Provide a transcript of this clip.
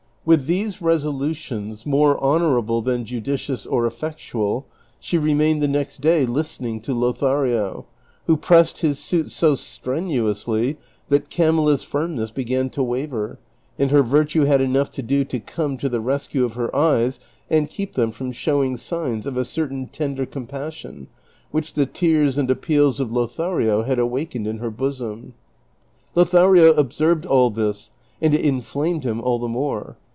With these resolutions, more honorable than judicious or effectual, she remained the next day listening to Lothario, who pressed his suit so strenuously that Camilla's firmness began to Avaver, and her virtue had enough to do to come to the rescue of her eyes and keep them from showing signs of a certain tender compassion which the tears and appeals of Lothario had awakened in her Ijosom. Lo thario observed all this, and it inflamed him all the more.